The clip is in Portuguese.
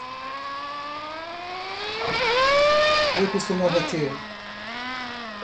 Eu costumava ter